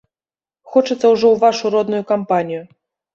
Хочацца ўжо ў вашу родную кампанію.